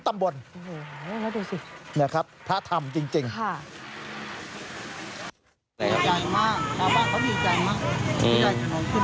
ต้องใช้เส้นถนนเส้นนี้เพราะฉันก่อนไปมาไปโรงพยาบาลไปอะไรเนี่ย